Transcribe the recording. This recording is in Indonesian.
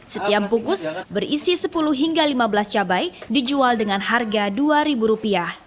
setiap bungkus berisi sepuluh hingga lima belas cabai dijual dengan harga rp dua